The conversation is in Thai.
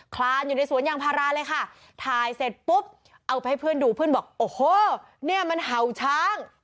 คลานอยู่ในสวนยางพาราเลยค่ะถ่ายเสร็จปุ๊บเอาไปให้เพื่อนดูเพื่อนบอกโอ้โหเนี่ยมันเห่าช้าง